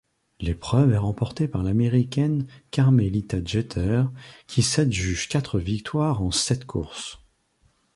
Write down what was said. L'épreuve est remportée par l'Américaine Carmelita Jeter qui s'adjuge quatre victoires en sept courses.